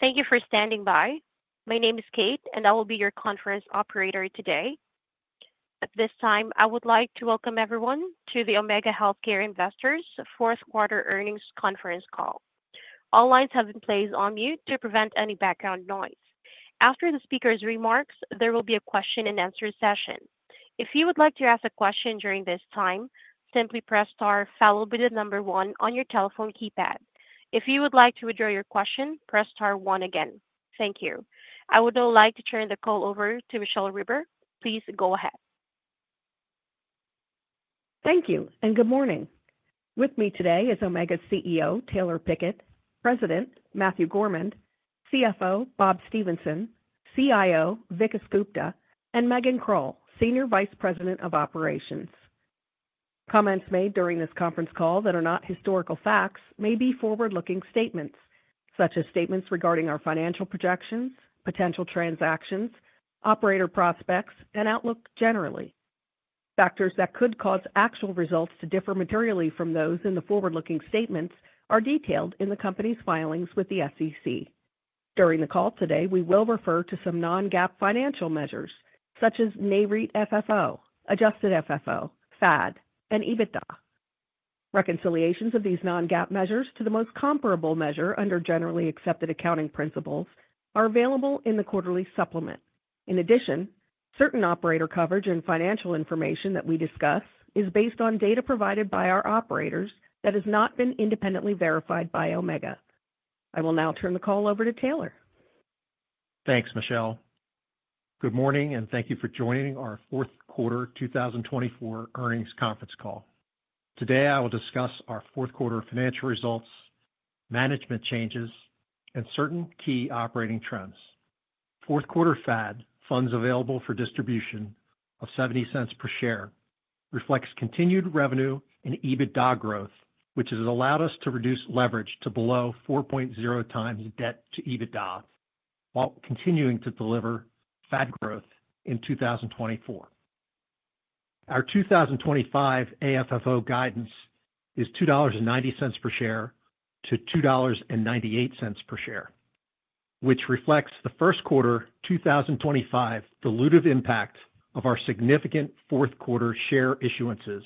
Thank you for standing by. My name is Kate, and I will be your conference operator today. At this time, I would like to welcome everyone to the Omega Healthcare Investors' Fourth-Quarter Earnings Conference Call. All lines have been placed on mute to prevent any background noise. After the speaker's remarks, there will be a question-and-answer session. If you would like to ask a question during this time, simply press star followed by the number one on your telephone keypad. If you would like to withdraw your question, press star one again. Thank you. I would now like to turn the call over to Michele Reber. Please go ahead. Thank you, and good morning. With me today is Omega CEO, Taylor Pickett, President, Matthew Gourmand, CFO, Rob Stephenson, CIO, Vikas Gupta, and Megan Krull, Senior Vice President of Operations. Comments made during this conference call that are not historical facts may be forward-looking statements, such as statements regarding our financial projections, potential transactions, operator prospects, and outlook generally. Factors that could cause actual results to differ materially from those in the forward-looking statements are detailed in the company's filings with the SEC. During the call today, we will refer to some non-GAAP financial measures, such as Nareit FFO, Adjusted FFO, FAD, and EBITDA. Reconciliations of these non-GAAP measures to the most comparable measure under generally accepted accounting principles are available in the quarterly supplement. In addition, certain operator coverage and financial information that we discuss is based on data provided by our operators that has not been independently verified by Omega. I will now turn the call over to Taylor. Thanks, Michelle. Good morning, and thank you for joining our fourth quarter 2024 earnings conference call. Today, I will discuss our fourth quarter financial results, management changes, and certain key operating trends. Fourth quarter FAD, funds available for distribution of $0.70 per share, reflects continued revenue and EBITDA growth, which has allowed us to reduce leverage to below 4.0x debt to EBITDA while continuing to deliver FAD growth in 2024. Our 2025 AFFO guidance is $2.90-$2.98 per share, which reflects the first quarter 2025 dilutive impact of our significant fourth quarter share issuances,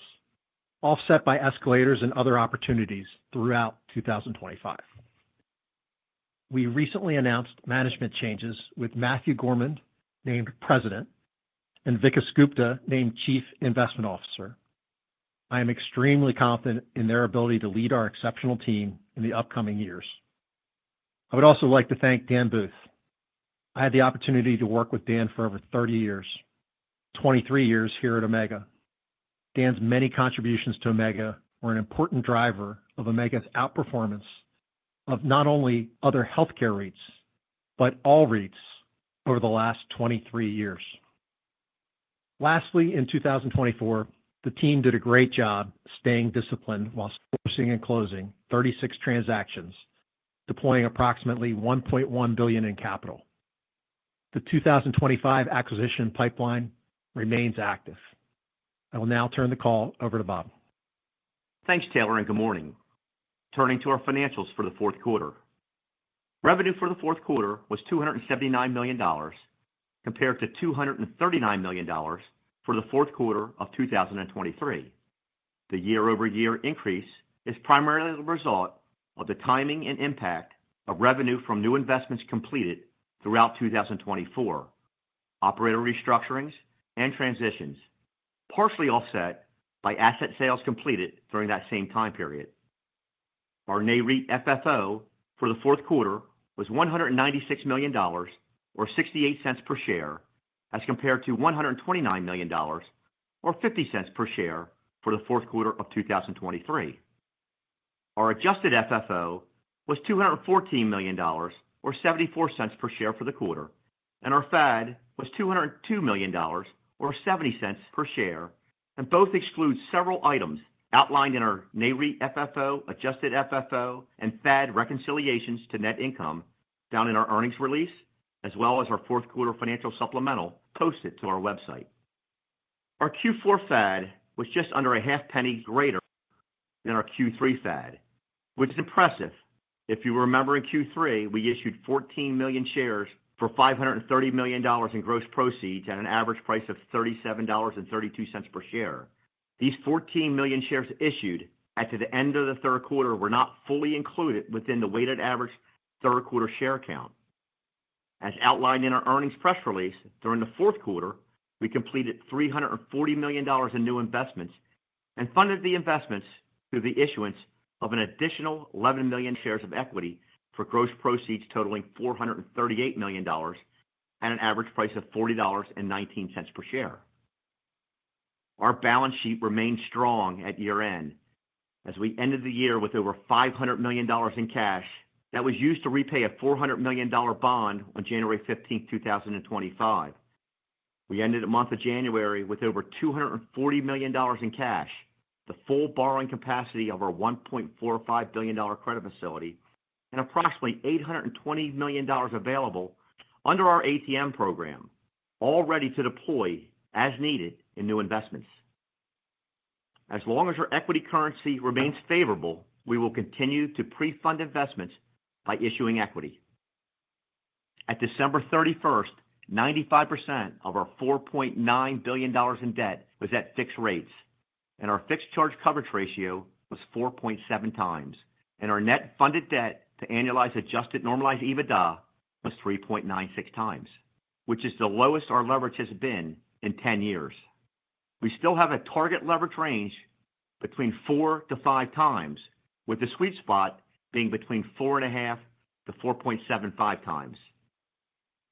offset by escalators and other opportunities throughout 2025. We recently announced management changes with Matthew Gourmand named President and Vikas Gupta named Chief Investment Officer. I am extremely confident in their ability to lead our exceptional team in the upcoming years. I would also like to thank Dan Booth. I had the opportunity to work with Dan for over 30 years, 23 years here at Omega. Dan's many contributions to Omega were an important driver of Omega's outperformance of not only other healthcare REITs, but all REITs over the last 23 years. Lastly, in 2024, the team did a great job staying disciplined while sourcing and closing 36 transactions, deploying approximately $1.1 billion in capital. The 2025 acquisition pipeline remains active. I will now turn the call over to Rob. Thanks, Taylor, and good morning. Turning to our financials for the fourth quarter, revenue for the fourth quarter was $279 million compared to $239 million for the fourth quarter of 2023. The year-over-year increase is primarily the result of the timing and impact of revenue from new investments completed throughout 2024, operator restructurings and transitions, partially offset by asset sales completed during that same time period. Our Nareit FFO for the fourth quarter was $196 million or $0.68 per share as compared to $129 million or $0.50 per share for the fourth quarter of 2023. Our Adjusted FFO was $214 million or $0.74 per share for the quarter, and our FAD was $202 million or $0.70 per share, and both exclude several items outlined in our Nareit FFO, Adjusted FFO, and FAD reconciliations to net income down in our earnings release, as well as our fourth quarter financial supplemental posted to our website. Our Q4 FAD was just under $0.005 greater than our Q3 FAD, which is impressive. If you remember, in Q3, we issued 14 million shares for $530 million in gross proceeds at an average price of $37.32 per share. These 14 million shares issued at the end of the third quarter were not fully included within the weighted average third quarter share count. As outlined in our earnings press release, during the fourth quarter, we completed $340 million in new investments and funded the investments through the issuance of an additional 11 million shares of equity for gross proceeds totaling $438 million at an average price of $40.19 per share. Our balance sheet remained strong at year-end as we ended the year with over $500 million in cash that was used to repay a $400 million bond on January 15, 2025. We ended the month of January with over $240 million in cash, the full borrowing capacity of our $1.45 billion credit facility, and approximately $820 million available under our ATM program, all ready to deploy as needed in new investments. As long as our equity currency remains favorable, we will continue to pre-fund investments by issuing equity. At December 31st, 95% of our $4.9 billion in debt was at fixed rates, and our fixed charge coverage ratio was 4.7x, and our net funded debt to annualized adjusted normalized EBITDA was 3.96x, which is the lowest our leverage has been in 10 years. We still have a target leverage range between four to five times, with the sweet spot being between 4.5-4.75x.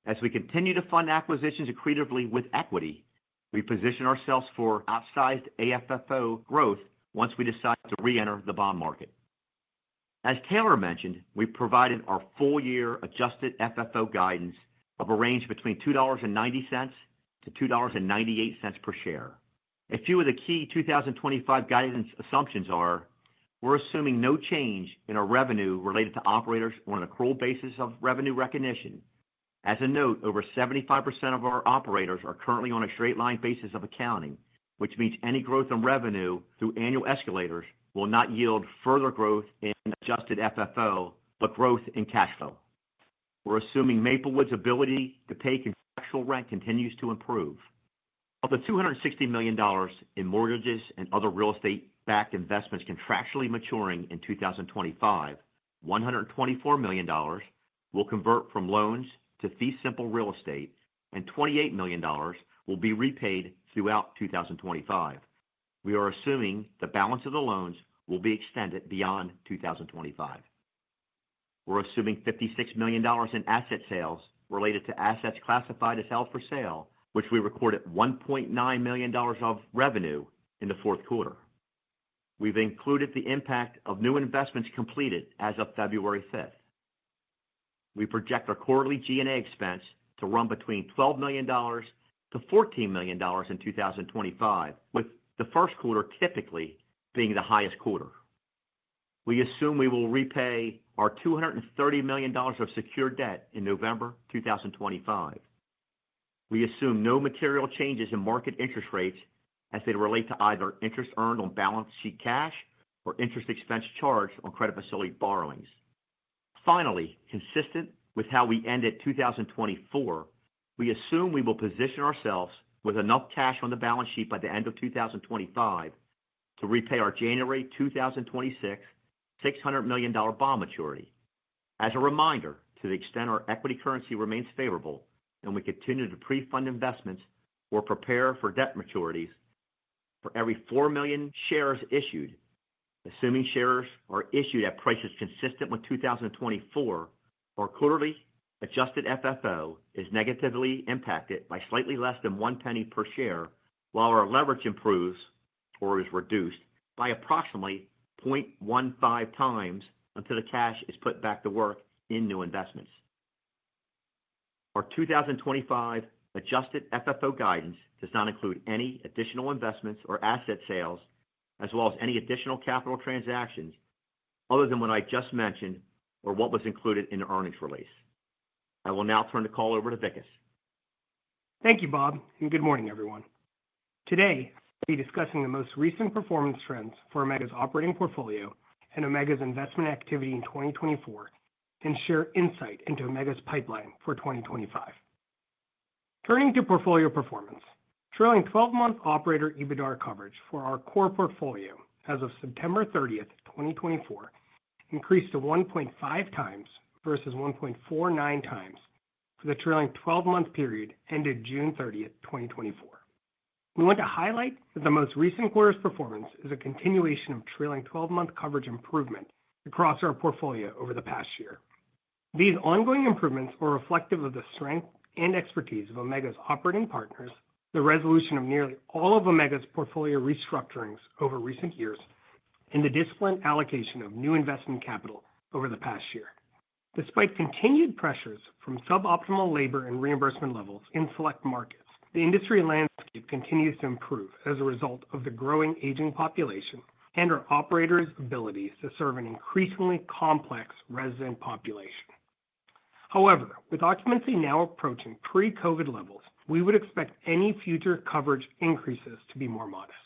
As we continue to fund acquisitions accretively with equity, we position ourselves for outsized AFFO growth once we decide to re-enter the bond market. As Taylor mentioned, we provided our full-year adjusted FFO guidance of a range between $2.90-$2.98 per share. A few of the key 2025 guidance assumptions are we're assuming no change in our revenue related to operators on an accrual basis of revenue recognition. As a note, over 75% of our operators are currently on a straight-line basis of accounting, which means any growth in revenue through annual escalators will not yield further growth in adjusted FFO, but growth in cash flow. We're assuming Maplewood's ability to pay contractual rent continues to improve. Of the $260 million in mortgages and other real estate-backed investments contractually maturing in 2025, $124 million will convert from loans to fee simple real estate, and $28 million will be repaid throughout 2025. We are assuming the balance of the loans will be extended beyond 2025. We're assuming $56 million in asset sales related to assets classified as held for sale, which we recorded $1.9 million of revenue in the fourth quarter. We've included the impact of new investments completed as of February 5th. We project our quarterly G&A expense to run between $12-$14 million in 2025, with the first quarter typically being the highest quarter. We assume we will repay our $230 million of secured debt in November 2025. We assume no material changes in market interest rates as they relate to either interest earned on balance sheet cash or interest expense charged on credit facility borrowings. Finally, consistent with how we ended 2024, we assume we will position ourselves with enough cash on the balance sheet by the end of 2025 to repay our January 2026 $600 million bond maturity. As a reminder, to the extent our equity currency remains favorable and we continue to pre-fund investments or prepare for debt maturities for every four million shares issued, assuming shares are issued at prices consistent with 2024, our quarterly adjusted FFO is negatively impacted by slightly less than one penny per share, while our leverage improves or is reduced by approximately 0.15 times until the cash is put back to work in new investments. Our 2025 adjusted FFO guidance does not include any additional investments or asset sales, as well as any additional capital transactions other than what I just mentioned or what was included in the earnings release. I will now turn the call over to Vikas. Thank you, Rob, and good morning, everyone. Today, I'll be discussing the most recent performance trends for Omega's operating portfolio and Omega's investment activity in 2024 and share insight into Omega's pipeline for 2025. Turning to portfolio performance, trailing 12-month operator EBITDA coverage for our core portfolio as of September 30, 2024, increased to 1.5x vs 1.49x for the trailing 12-month period ended June 30, 2024. We want to highlight that the most recent quarter's performance is a continuation of trailing 12-month coverage improvement across our portfolio over the past year. These ongoing improvements are reflective of the strength and expertise of Omega's operating partners, the resolution of nearly all of Omega's portfolio restructurings over recent years, and the disciplined allocation of new investment capital over the past year. Despite continued pressures from suboptimal labor and reimbursement levels in select markets, the industry landscape continues to improve as a result of the growing aging population and our operators' abilities to serve an increasingly complex resident population. However, with occupancy now approaching pre-COVID levels, we would expect any future coverage increases to be more modest.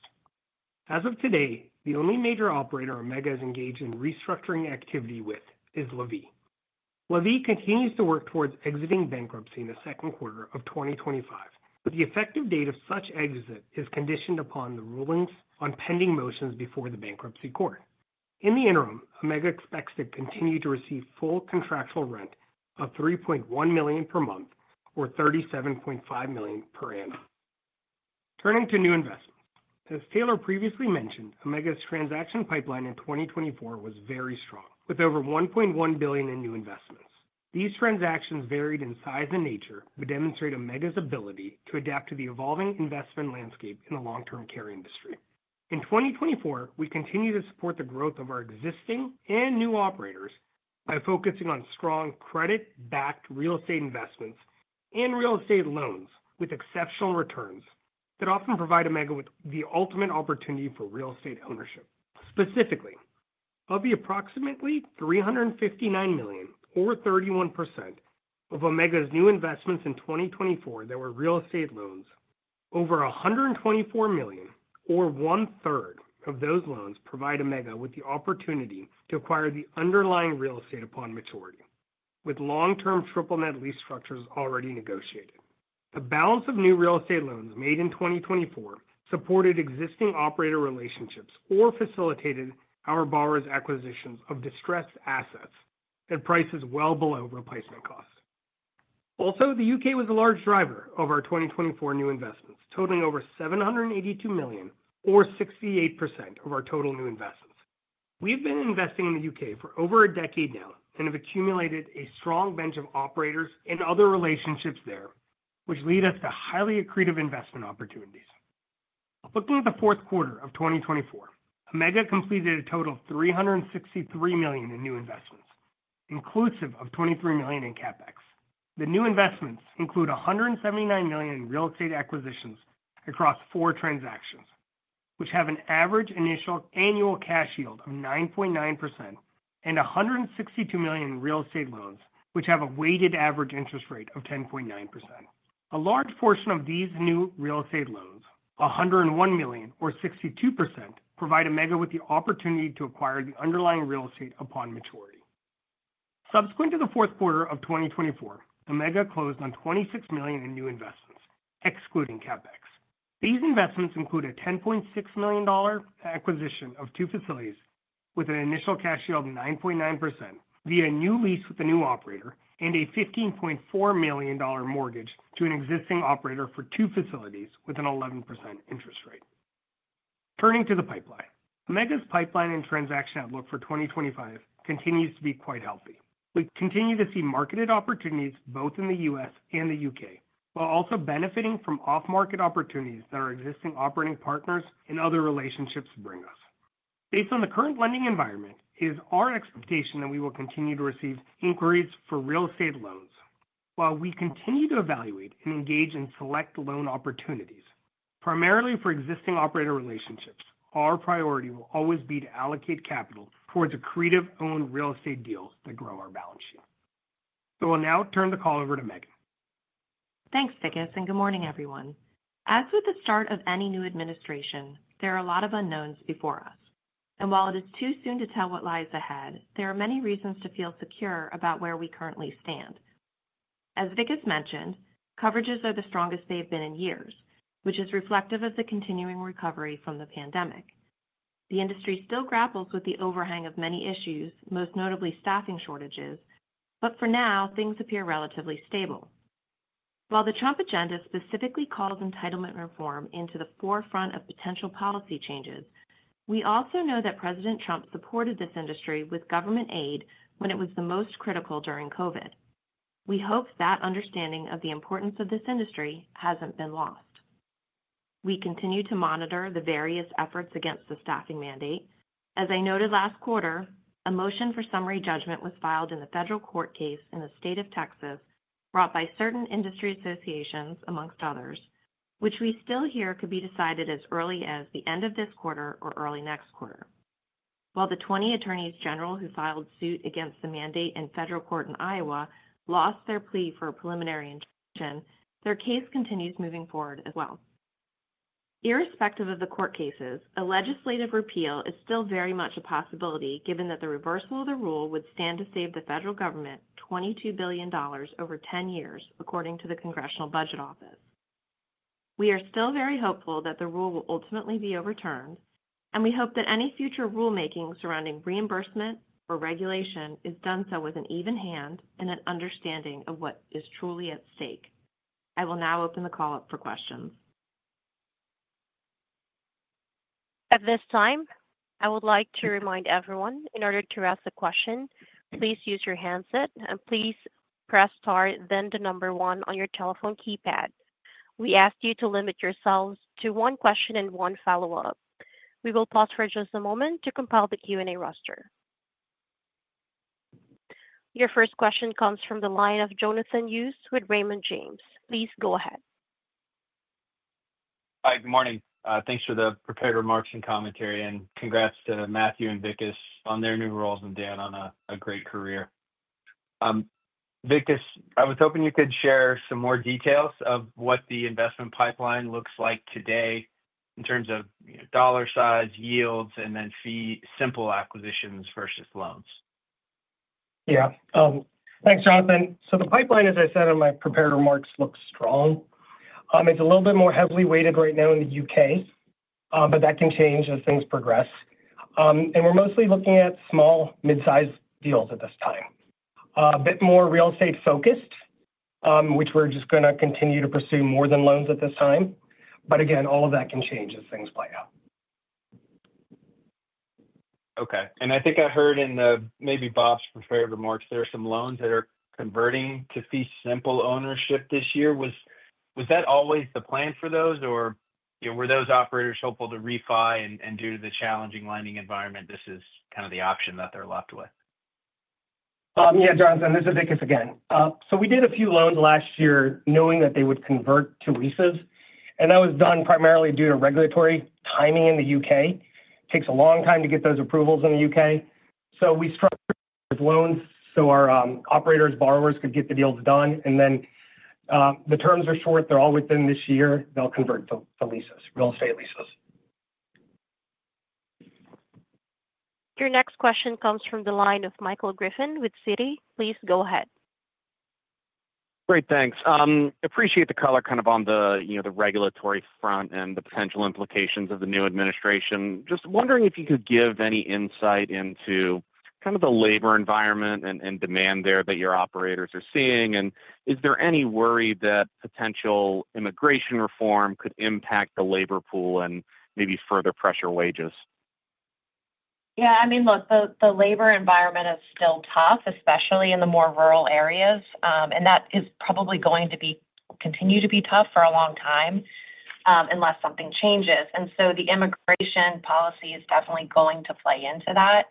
As of today, the only major operator Omega is engaged in restructuring activity with is LaVie. LaVie continues to work towards exiting bankruptcy in the second quarter of 2025, but the effective date of such exit is conditioned upon the rulings on pending motions before the bankruptcy court. In the interim, Omega expects to continue to receive full contractual rent of $3.1 million per month or $37.5 million per annum. Turning to new investments. As Taylor previously mentioned, Omega's transaction pipeline in 2024 was very strong, with over $1.1 billion in new investments. These transactions varied in size and nature, but demonstrate Omega's ability to adapt to the evolving investment landscape in the long-term care industry. In 2024, we continue to support the growth of our existing and new operators by focusing on strong credit-backed real estate investments and real estate loans with exceptional returns that often provide Omega with the ultimate opportunity for real estate ownership. Specifically, of the approximately $359 million, or 31%, of Omega's new investments in 2024 that were real estate loans, over $124 million, or one-third, of those loans provide Omega with the opportunity to acquire the underlying real estate upon maturity, with long-term triple-net lease structures already negotiated. The balance of new real estate loans made in 2024 supported existing operator relationships or facilitated our borrowers' acquisitions of distressed assets at prices well below replacement costs. Also, the U.K. was a large driver of our 2024 new investments, totaling over $782 million, or 68%, of our total new investments. We've been investing in the U.K. for over a decade now and have accumulated a strong bench of operators and other relationships there, which lead us to highly accretive investment opportunities. Looking at the fourth quarter of 2024, Omega completed a total of $363 million in new investments, inclusive of $23 million in CapEx. The new investments include $179 million in real estate acquisitions across four transactions, which have an average initial annual cash yield of 9.9%, and $162 million in real estate loans, which have a weighted average interest rate of 10.9%. A large portion of these new real estate loans, $101 million, or 62%, provide Omega with the opportunity to acquire the underlying real estate upon maturity. Subsequent to the fourth quarter of 2024, Omega closed on $26 million in new investments, excluding CapEx. These investments include a $10.6 million acquisition of two facilities with an initial cash yield of 9.9% via a new lease with a new operator and a $15.4 million mortgage to an existing operator for two facilities with an 11% interest rate. Turning to the pipeline, Omega's pipeline and transaction outlook for 2025 continues to be quite healthy. We continue to see marketed opportunities both in the U.S. and the U.K., while also benefiting from off-market opportunities that our existing operating partners and other relationships bring us. Based on the current lending environment, it is our expectation that we will continue to receive inquiries for real estate loans. While we continue to evaluate and engage in select loan opportunities, primarily for existing operator relationships, our priority will always be to allocate capital towards accretive-owned real estate deals that grow our balance sheet. So I'll now turn the call over to Megan. Thanks, Vikas, and good morning, everyone. As with the start of any new administration, there are a lot of unknowns before us, and while it is too soon to tell what lies ahead, there are many reasons to feel secure about where we currently stand. As Vikas mentioned, coverages are the strongest they've been in years, which is reflective of the continuing recovery from the pandemic. The industry still grapples with the overhang of many issues, most notably staffing shortages, but for now, things appear relatively stable. While the Trump agenda specifically calls entitlement reform into the forefront of potential policy changes, we also know that President Trump supported this industry with government aid when it was the most critical during COVID. We hope that understanding of the importance of this industry hasn't been lost. We continue to monitor the various efforts against the staffing mandate. As I noted last quarter, a motion for summary judgment was filed in the federal court case in the state of Texas brought by certain industry associations, among others, which we still hear could be decided as early as the end of this quarter or early next quarter. While the 20 attorneys general who filed suit against the mandate in federal court in Iowa lost their plea for a preliminary injunction, their case continues moving forward as well. Irrespective of the court cases, a legislative repeal is still very much a possibility given that the reversal of the rule would stand to save the federal government $22 billion over 10 years, according to the Congressional Budget Office. We are still very hopeful that the rule will ultimately be overturned, and we hope that any future rulemaking surrounding reimbursement or regulation is done so with an even hand and an understanding of what is truly at stake. I will now open the call up for questions. At this time, I would like to remind everyone, in order to ask a question, please use your handset, and please press star, then the number one on your telephone keypad. We ask you to limit yourselves to one question and one follow-up. We will pause for just a moment to compile the Q&A roster. Your first question comes from the line of Jonathan Hughes with Raymond James. Please go ahead. Hi, good morning. Thanks for the prepared remarks and commentary, and congrats to Matthew and Vikas on their new roles and Dan on a great career. Vikas, I was hoping you could share some more details of what the investment pipeline looks like today in terms of dollar size, yields, and then fee simple acquisitions vs loans. Yeah. Thanks, Jonathan. So the pipeline, as I said in my prepared remarks, looks strong. It's a little bit more heavily weighted right now in the U.K., but that can change as things progress. And we're mostly looking at small, mid-sized deals at this time, a bit more real estate-focused, which we're just going to continue to pursue more than loans at this time. But again, all of that can change as things play out. Okay. I think I heard in the maybe Rob's prepared remarks, there are some loans that are converting to fee simple ownership this year. Was that always the plan for those, or were those operators hopeful to refi and due to the challenging lending environment, this is kind of the option that they're left with? Yeah, Jonathan, this is Vikas again. So we did a few loans last year knowing that they would convert to leases, and that was done primarily due to regulatory timing in the U.K. It takes a long time to get those approvals in the U.K.. So we structured the loans so our operators, borrowers could get the deals done. And then the terms are short. They're all within this year. They'll convert to leases, real estate leases. Your next question comes from the line of Michael Griffin with Citi. Please go ahead. Great. Thanks. Appreciate the color kind of on the regulatory front and the potential implications of the new administration. Just wondering if you could give any insight into kind of the labor environment and demand there that your operators are seeing, and is there any worry that potential immigration reform could impact the labor pool and maybe further pressure wages? Yeah. I mean, look, the labor environment is still tough, especially in the more rural areas, and that is probably going to continue to be tough for a long time unless something changes, and so the immigration policy is definitely going to play into that.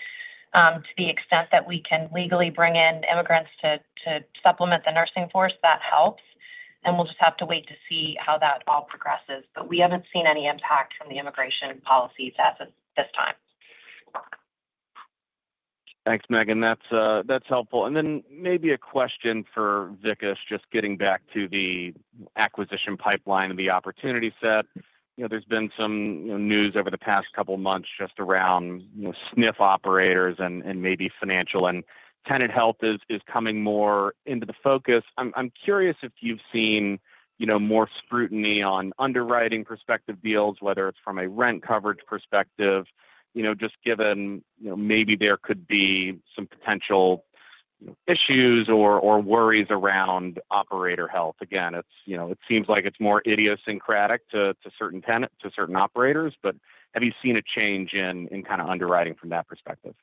To the extent that we can legally bring in immigrants to supplement the nursing force, that helps, and we'll just have to wait to see how that all progresses, but we haven't seen any impact from the immigration policies as of this time. Thanks, Megan. That's helpful. And then maybe a question for Vikas, just getting back to the acquisition pipeline and the opportunity set. There's been some news over the past couple of months just around SNF operators and maybe financial, and tenant health is coming more into the focus. I'm curious if you've seen more scrutiny on underwriting prospective deals, whether it's from a rent coverage perspective, just given maybe there could be some potential issues or worries around operator health. Again, it seems like it's more idiosyncratic to certain tenants, to certain operators, but have you seen a change in kind of underwriting from that perspective?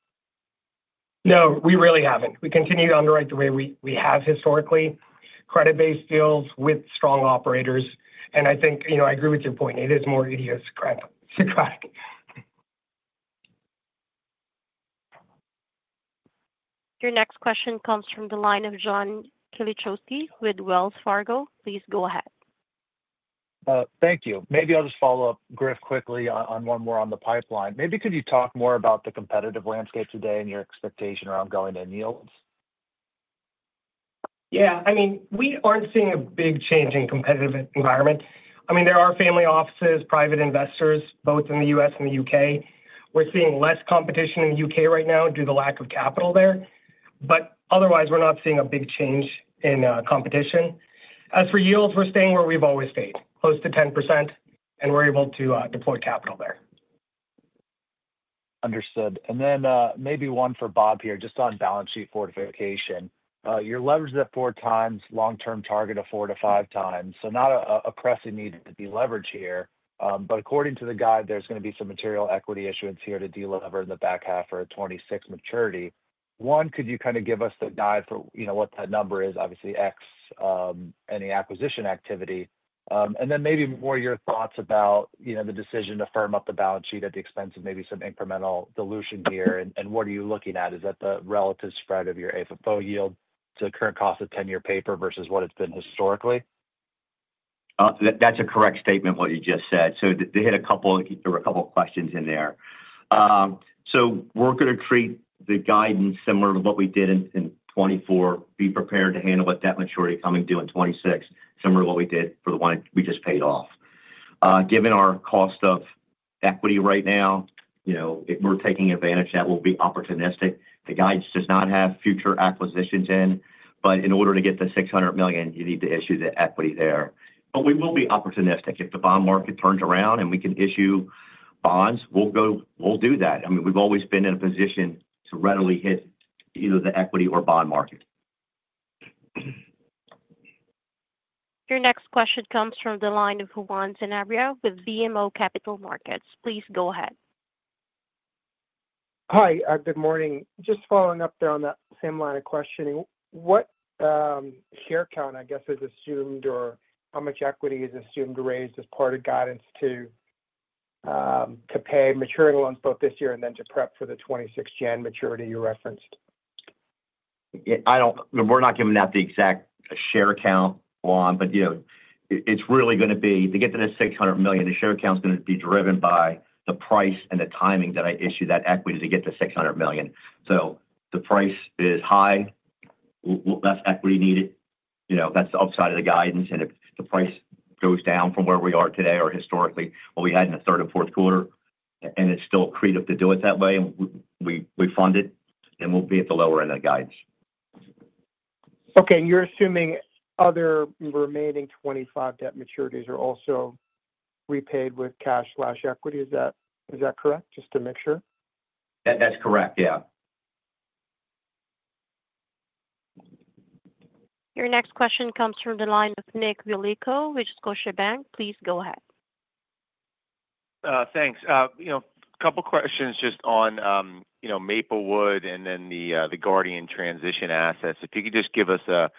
No, we really haven't. We continue to underwrite the way we have historically, credit-based deals with strong operators. And I think I agree with your point. It is more idiosyncratic. Your next question comes from the line of John Kilichowski with Wells Fargo. Please go ahead. Thank you. Maybe I'll just follow up, Griff, quickly on one more on the pipeline. Maybe could you talk more about the competitive landscape today and your expectation around going to any of those? Yeah. I mean, we aren't seeing a big change in competitive environment. I mean, there are family offices, private investors, both in the U.S. and the U.K. We're seeing less competition in the U.K. right now due to the lack of capital there. But otherwise, we're not seeing a big change in competition. As for yields, we're staying where we've always stayed, close to 10%, and we're able to deploy capital there. Understood. And then maybe one for Rob here, just on balance sheet fortification. You're leveraged at four times, long-term target of four to five times. So not a pressing need to be leveraged here. But according to the guide, there's going to be some material equity issuance here to deliver in the back half for a 2026 maturity. One, could you kind of give us the guide for what that number is, obviously ex any acquisition activity? And then maybe more your thoughts about the decision to firm up the balance sheet at the expense of maybe some incremental dilution here. And what are you looking at? Is that the relative spread of your AFFO yield to current cost of 10-year paper versus what it's been historically? That's a correct statement, what you just said, so they hit a couple of questions in there, so we're going to treat the guidance similar to what we did in 2024, be prepared to handle at that maturity coming due in 2026, similar to what we did for the one we just paid off. Given our cost of equity right now, if we're taking advantage, that will be opportunistic. The guidance does not have future acquisitions in, but in order to get the $600 million, you need to issue the equity there, but we will be opportunistic. If the bond market turns around and we can issue bonds, we'll do that. I mean, we've always been in a position to readily hit either the equity or bond market. Your next question comes from the line of Juan Sanabria with BMO Capital Markets. Please go ahead. Hi, good morning. Just following up there on that same line of questioning, what share count, I guess, is assumed, or how much equity is assumed to raise as part of guidance to pay maturing loans both this year and then to prep for the 2026 January maturity you referenced? We're not giving out the exact share count one, but it's really going to be to get to the $600 million. The share count's going to be driven by the price and the timing that I issue that equity to get to $600 million, so the price is high, less equity needed. That's the upside of the guidance and if the price goes down from where we are today or historically, what we had in the third and fourth quarter, and it's still accretive to do it that way, we fund it, and we'll be at the lower end of the guidance. Okay. And you're assuming other remaining $25 debt maturities are also repaid with cash/equity. Is that correct? Just to make sure. That's correct. Yeah. Your next question comes from the line of Nick Yulico, with Scotiabank. Please go ahead. Thanks. A couple of questions just on Maplewood and then the Guardian transition assets. If you could just give us a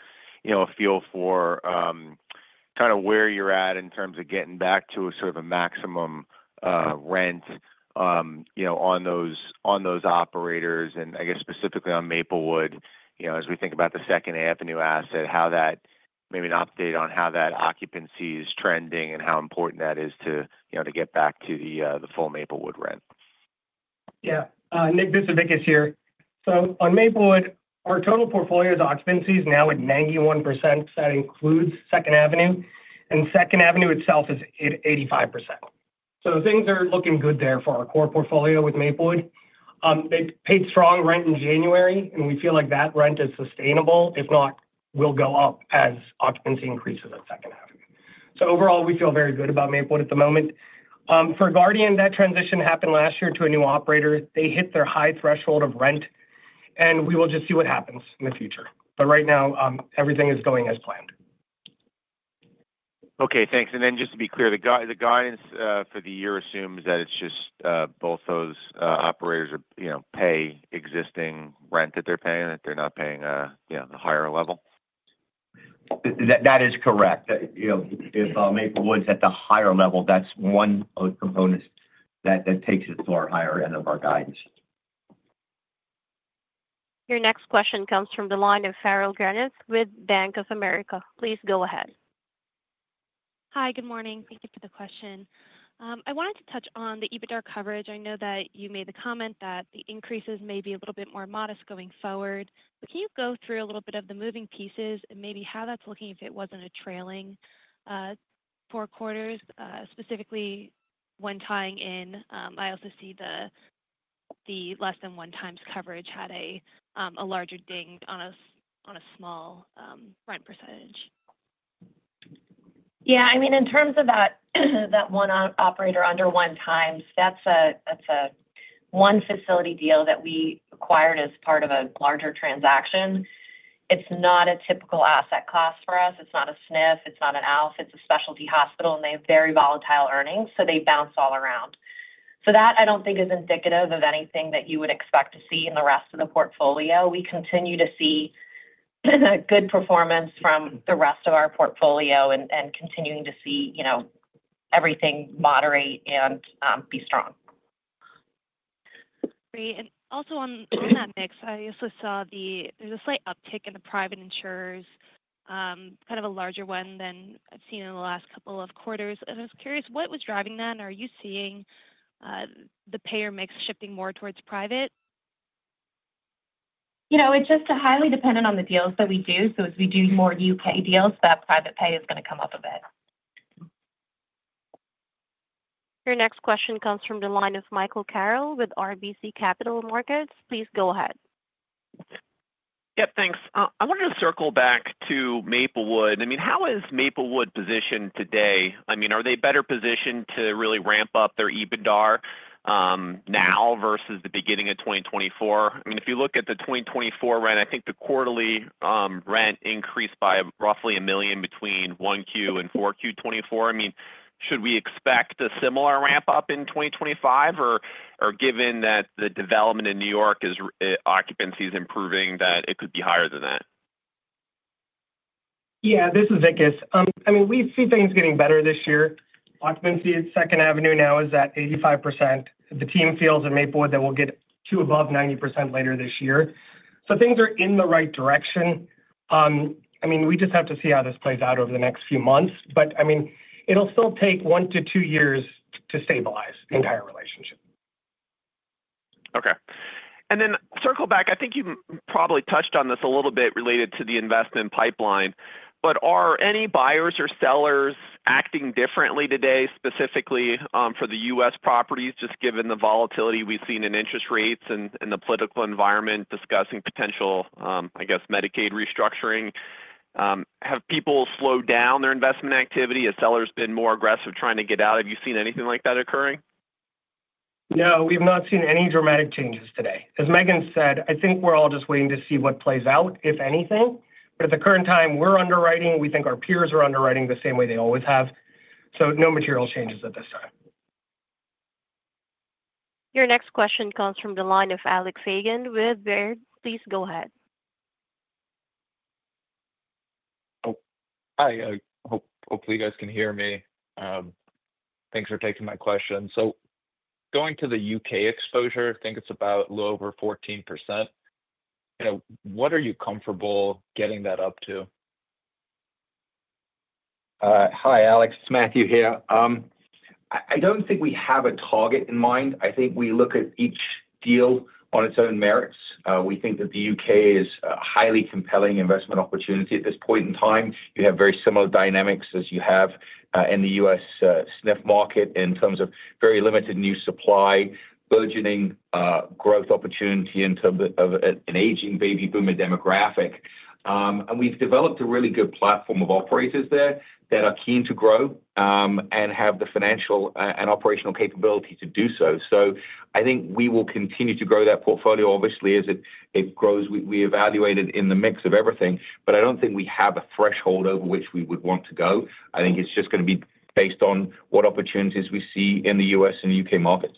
feel for kind of where you're at in terms of getting back to sort of a maximum rent on those operators. And I guess specifically on Maplewood, as we think about the Second Avenue asset, how that maybe an update on how that occupancy is trending and how important that is to get back to the full Maplewood rent. Yeah. Nick, this is Vikas here. So on Maplewood, our total portfolio's occupancy is now at 91%. That includes Second Avenue. And Second Avenue itself is at 85%. So things are looking good there for our core portfolio with Maplewood. They paid strong rent in January, and we feel like that rent is sustainable. If not, we'll go up as occupancy increases at Second Avenue. So overall, we feel very good about Maplewood at the moment. For Guardian, that transition happened last year to a new operator. They hit their high threshold of rent, and we will just see what happens in the future. But right now, everything is going as planned. Okay. Thanks. And then just to be clear, the guidance for the year assumes that it's just both those operators pay existing rent that they're paying, that they're not paying the higher level. That is correct. If Maplewood's at the higher level, that's one of the components that takes it to our higher end of our guidance. Your next question comes from the line of Farrell Granath with Bank of America. Please go ahead. Hi, good morning. Thank you for the question. I wanted to touch on the EBITDA coverage. I know that you made the comment that the increases may be a little bit more modest going forward. But can you go through a little bit of the moving pieces and maybe how that's looking if it wasn't a trailing four quarters, specifically when tying in? I also see the less than one times coverage had a larger ding on a small rent percentage. Yeah. I mean, in terms of that one operator under one times, that's a one facility deal that we acquired as part of a larger transaction. It's not a typical asset class for us. It's not a SNF. It's not an ALF. It's a specialty hospital, and they have very volatile earnings, so they bounce all around. So that, I don't think, is indicative of anything that you would expect to see in the rest of the portfolio. We continue to see good performance from the rest of our portfolio and continuing to see everything moderate and be strong. Great. And also on that mix, I also saw there's a slight uptick in the private insurers, kind of a larger one than I've seen in the last couple of quarters. And I was curious, what was driving that? And are you seeing the payer mix shifting more towards private? It's just highly dependent on the deals that we do, so as we do more U.K. deals, that private pay is going to come up a bit. Your next question comes from the line of Michael Carroll with RBC Capital Markets. Please go ahead. Yep. Thanks. I wanted to circle back to Maplewood. I mean, how is Maplewood positioned today? I mean, are they better positioned to really ramp up their EBITDA now versus the beginning of 2024? I mean, if you look at the 2024 rent, I think the quarterly rent increased by roughly $1 million between 1Q and 4Q 2024. I mean, should we expect a similar ramp up in 2025, or given that the development in New York, occupancy is improving, that it could be higher than that? Yeah. This is Vikas. I mean, we see things getting better this year. Occupancy at Second Avenue now is at 85%. The team feels at Maplewood that we'll get to above 90% later this year. So things are in the right direction. I mean, we just have to see how this plays out over the next few months. But I mean, it'll still take one to two years to stabilize the entire relationship. Okay. And then circle back. I think you probably touched on this a little bit related to the investment pipeline. But are any buyers or sellers acting differently today, specifically for the U.S. properties, just given the volatility we've seen in interest rates and the political environment discussing potential, I guess, Medicaid restructuring? Have people slowed down their investment activity? Have sellers been more aggressive trying to get out? Have you seen anything like that occurring? No. We've not seen any dramatic changes today. As Megan said, I think we're all just waiting to see what plays out, if anything. But at the current time, we're underwriting. We think our peers are underwriting the same way they always have. So no material changes at this time. Your next question comes from the line of Alex Hagen with Baird. Please go ahead. Hi. Hopefully, you guys can hear me. Thanks for taking my question. So going to the U.K. exposure, I think it's about a little over 14%. What are you comfortable getting that up to? Hi, Alex. Matthew here. I don't think we have a target in mind. I think we look at each deal on its own merits. We think that the U.K. is a highly compelling investment opportunity at this point in time. You have very similar dynamics as you have in the U.S. SNF market in terms of very limited new supply, burgeoning growth opportunity in terms of an aging baby boomer demographic. And we've developed a really good platform of operators there that are keen to grow and have the financial and operational capability to do so. So I think we will continue to grow that portfolio. Obviously, as it grows, we evaluate it in the mix of everything. But I don't think we have a threshold over which we would want to go. I think it's just going to be based on what opportunities we see in the U.S. and U.K. markets.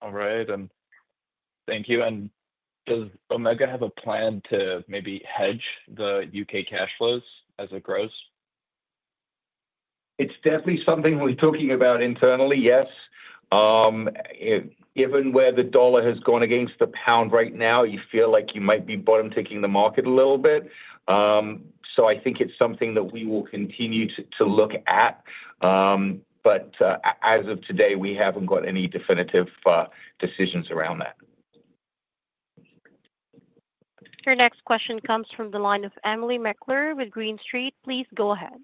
All right. Thank you. Does Omega have a plan to maybe hedge the U.K. cash flows as it grows? It's definitely something we're talking about internally, yes. Given where the dollar has gone against the pound right now, you feel like you might be bottom ticking the market a little bit, so I think it's something that we will continue to look at, but as of today, we haven't got any definitive decisions around that. Your next question comes from the line of Emily Meckler with Green Street. Please go ahead.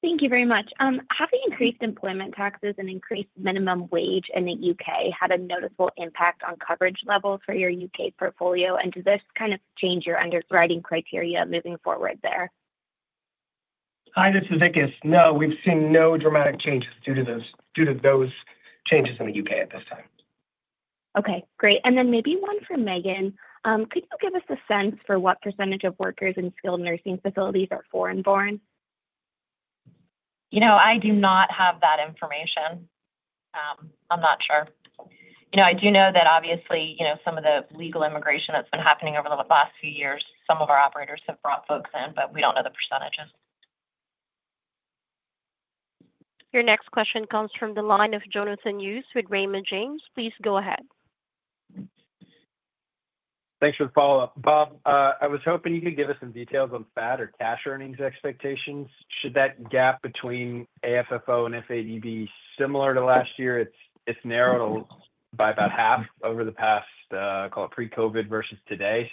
Thank you very much. Have the increased employment taxes and increased minimum wage in the U.K. had a noticeable impact on coverage levels for your U.K. portfolio? And does this kind of change your underwriting criteria moving forward there? Hi, this is Vikas. No, we've seen no dramatic changes due to those changes in the U.K. at this time. Okay. Great. And then maybe one for Megan. Could you give us a sense for what percentage of workers in skilled nursing facilities are foreign born? I do not have that information. I'm not sure. I do know that, obviously, some of the legal immigration that's been happening over the last few years, some of our operators have brought folks in, but we don't know the percentages. Your next question comes from the line of Jonathan Hughes with Raymond James. Please go ahead. Thanks for the follow-up. Rob, I was hoping you could give us some details on FAD or cash earnings expectations. Should that gap between AFFO and FAD be similar to last year? It's narrowed by about half over the past, call it pre-COVID vs today.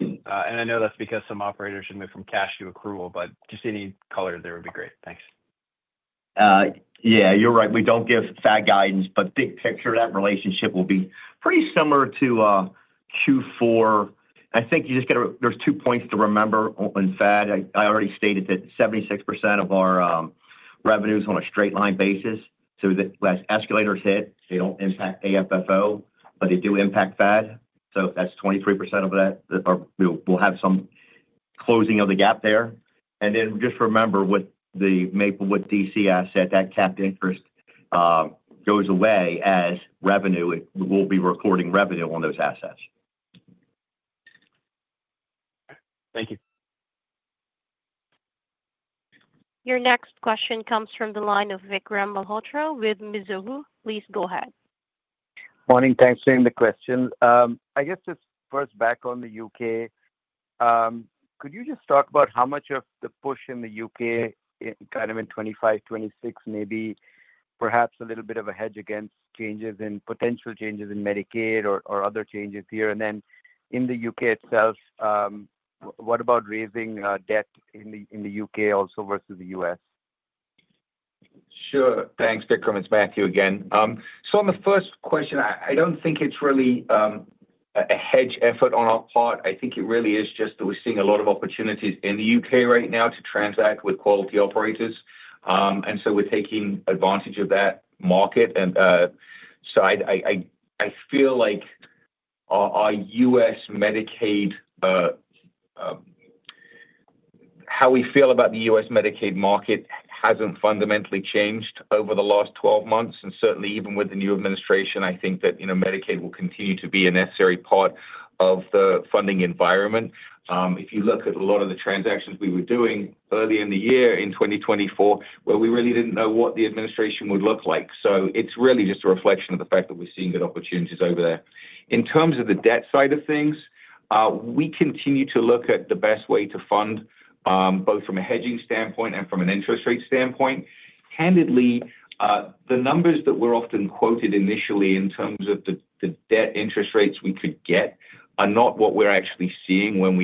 And I know that's because some operators are moving from cash to accrual, but just any color there would be great. Thanks. Yeah. You're right. We don't give FAD guidance, but big picture, that relationship will be pretty similar to Q4. I think you just got to, there's two points to remember in FAD. I already stated that 76% of our revenue is on a straight line basis. So as escalators hit, they don't impact AFFO, but they do impact FAD. So that's 23% of that. We'll have some closing of the gap there. And then just remember with the Maplewood DC asset, that capped interest goes away as revenue. We'll be recording revenue on those assets. Thank you. Your next question comes from the line of Vikram Malhotra with Mizuho. Please go ahead. Morning. Thanks for the question. I guess just first back on the U.K., could you just talk about how much of the push in the U.K., kind of in 2025, 2026, maybe perhaps a little bit of a hedge against changes in potential changes in Medicaid or other changes here, and then in the U.K. itself, what about raising debt in the U.K. also vs the U.S.? Sure. Thanks, Vikram. It's Matthew again. So on the first question, I don't think it's really a hedge effort on our part. I think it really is just that we're seeing a lot of opportunities in the U.K. right now to transact with quality operators. And so we're taking advantage of that market. And so I feel like our U.S. Medicaid, how we feel about the U.S. Medicaid market hasn't fundamentally changed over the last 12 months. And certainly, even with the new administration, I think that Medicaid will continue to be a necessary part of the funding environment. If you look at a lot of the transactions we were doing earlier in the year in 2024, well, we really didn't know what the administration would look like. So it's really just a reflection of the fact that we're seeing good opportunities over there. In terms of the debt side of things, we continue to look at the best way to fund both from a hedging standpoint and from an interest rate standpoint. Candidly, the numbers that were often quoted initially in terms of the debt interest rates we could get are not what we're actually seeing when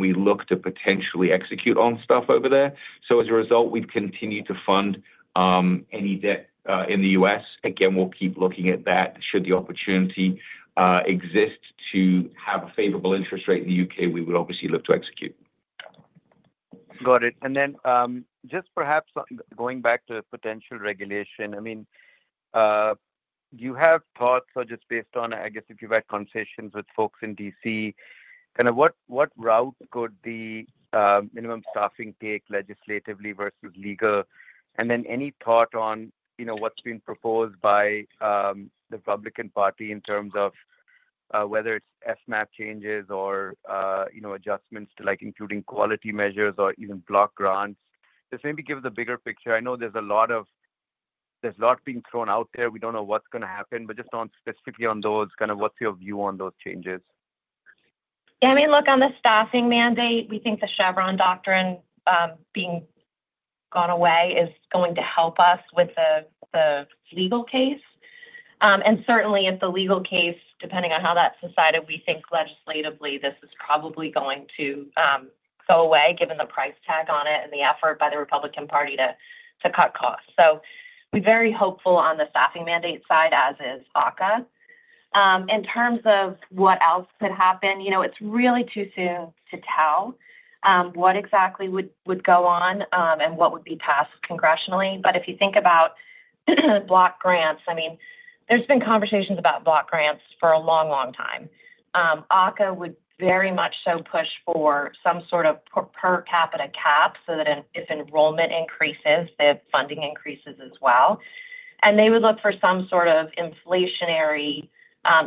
we look to potentially execute on stuff over there. So as a result, we've continued to fund any debt in the U.S. Again, we'll keep looking at that. Should the opportunity exist to have a favorable interest rate in the U.K., we would obviously look to execute. Got it. And then just perhaps going back to potential regulation, I mean, do you have thoughts or just based on, I guess, if you've had conversations with folks in D.C., kind of what route could the minimum staffing take legislatively versus legal? And then any thought on what's being proposed by the Republican Party in terms of whether it's FMAP changes or adjustments to including quality measures or even block grants? Just maybe give the bigger picture. I know there's a lot being thrown out there. We don't know what's going to happen. But just specifically on those, kind of what's your view on those changes? Yeah. I mean, look, on the staffing mandate, we think the Chevron doctrine being gone away is going to help us with the legal case. And certainly, if the legal case, depending on how that's decided, we think legislatively, this is probably going to go away given the price tag on it and the effort by the Republican Party to cut costs. So we're very hopeful on the staffing mandate side, as is AHCA. In terms of what else could happen, it's really too soon to tell what exactly would go on and what would be passed congressionally. But if you think about block grants, I mean, there's been conversations about block grants for a long, long time. AHCA would very much so push for some sort of per capita cap so that if enrollment increases, the funding increases as well. They would look for some sort of inflationary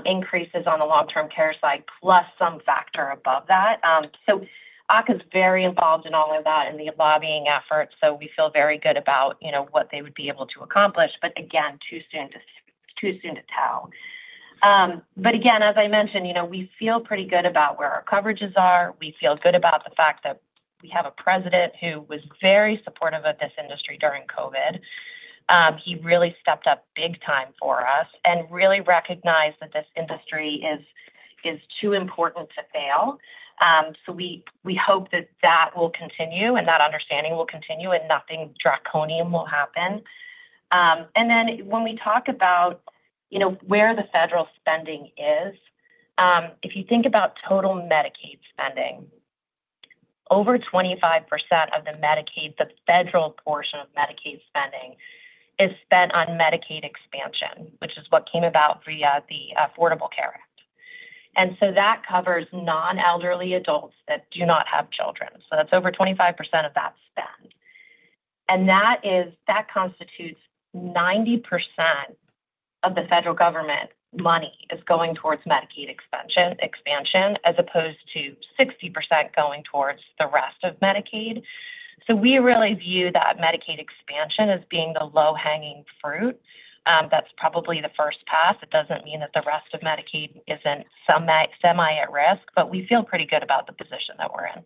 increases on the long-term care side plus some factor above that. So AHCA is very involved in all of that and the lobbying effort. So we feel very good about what they would be able to accomplish. But again, too soon to tell. But again, as I mentioned, we feel pretty good about where our coverages are. We feel good about the fact that we have a president who was very supportive of this industry during COVID. He really stepped up big time for us and really recognized that this industry is too important to fail. So we hope that that will continue and that understanding will continue and nothing draconian will happen. And then when we talk about where the federal spending is, if you think about total Medicaid spending, over 25% of the Medicaid, the federal portion of Medicaid spending, is spent on Medicaid expansion, which is what came about via the Affordable Care Act. And so that covers non-elderly adults that do not have children. So that's over 25% of that spend. And that constitutes 90% of the federal government money is going towards Medicaid expansion as opposed to 60% going towards the rest of Medicaid. So we really view that Medicaid expansion as being the low-hanging fruit. That's probably the first pass. It doesn't mean that the rest of Medicaid isn't semi-at-risk, but we feel pretty good about the position that we're in.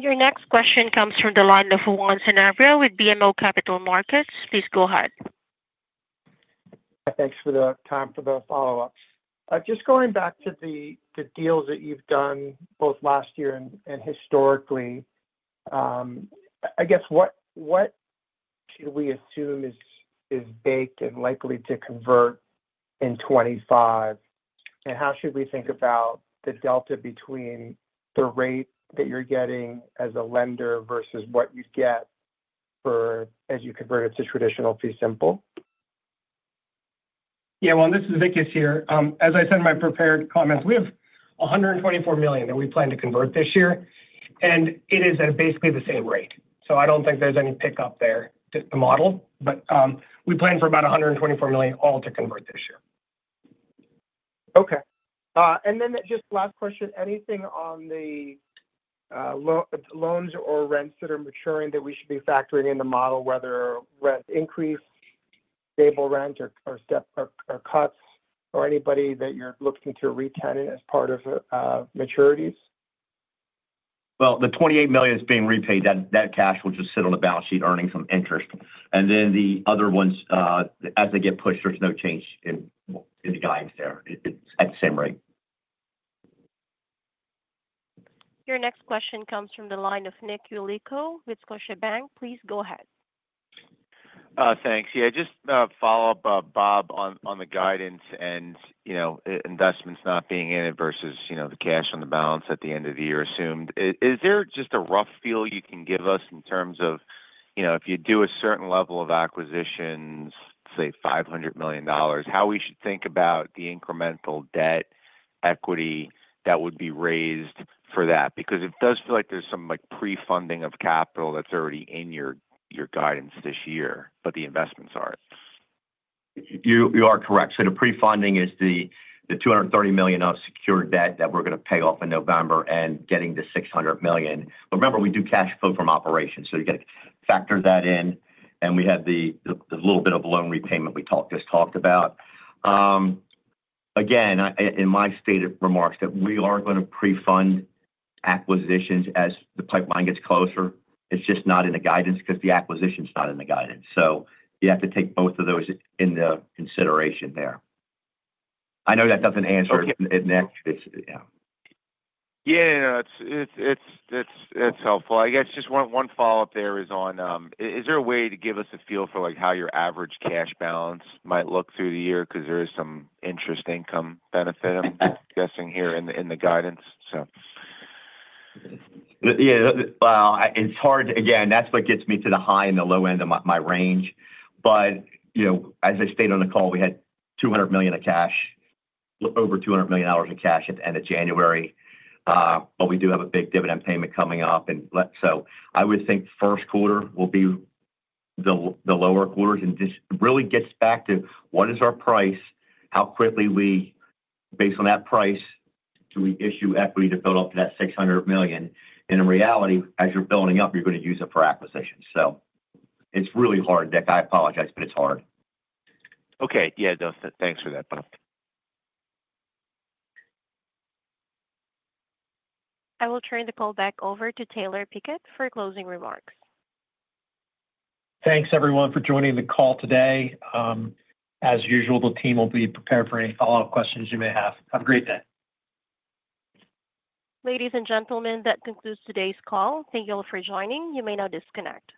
Your next question comes from the line of Juan Sanabria with BMO Capital Markets. Please go ahead. Thanks for the time for the follow-ups. Just going back to the deals that you've done both last year and historically, I guess what should we assume is baked and likely to convert in 2025? And how should we think about the delta between the rate that you're getting as a lender versus what you get as you convert it to traditional fee simple? Yeah, well, this is Vikas here. As I said in my prepared comments, we have $124 million that we plan to convert this year, and it is at basically the same rate, so I don't think there's any pickup there to the model, but we plan for about $124 million all to convert this year. Okay. And then just last question. Anything on the loans or rents that are maturing that we should be factoring in the model, whether rent increase, stable rent, or cuts, or anybody that you're looking to retain as part of maturities? The $28 million is being repaid. That cash will just sit on the balance sheet earning some interest. Then the other ones, as they get pushed, there's no change in the guidance there. It's at the same rate. Your next question comes from the line of Nick Yulico with Scotiabank. Please go ahead. Thanks. Yeah. Just follow-up, Rob, on the guidance and investments not being in it versus the cash on the balance at the end of the year assumed. Is there just a rough feel you can give us in terms of if you do a certain level of acquisitions, say, $500 million, how we should think about the incremental debt equity that would be raised for that? Because it does feel like there's some pre-funding of capital that's already in your guidance this year, but the investments aren't. You are correct. So the pre-funding is the $230 million of secured debt that we're going to pay off in November and getting the $600 million. But remember, we do cash flow from operations. So you got to factor that in. And we have the little bit of loan repayment we just talked about. Again, in my stated remarks that we are going to pre-fund acquisitions as the pipeline gets closer. It's just not in the guidance because the acquisition's not in the guidance. So you have to take both of those into consideration there. I know that doesn't answer it, Nick. Yeah. Yeah. It's helpful. I guess just one follow-up there is on, is there a way to give us a feel for how your average cash balance might look through the year? Because there is some interest income benefit I'm guessing here in the guidance, so. Yeah. Well, it's hard. Again, that's what gets me to the high and the low end of my range. But as I stated on the call, we had $200 million of cash, over $200 million of cash at the end of January. But we do have a big dividend payment coming up. And so I would think first quarter will be the lower quarters. And this really gets back to what is our price, how quickly we, based on that price, do we issue equity to build up to that $600 million. And in reality, as you're building up, you're going to use it for acquisitions. So it's really hard, Nick. I apologize, but it's hard. Okay. Yeah. Thanks for that, Rob. I will turn the call back over to Taylor Pickett for closing remarks. Thanks, everyone, for joining the call today. As usual, the team will be prepared for any follow-up questions you may have. Have a great day. Ladies and gentlemen, that concludes today's call. Thank you all for joining. You may now disconnect.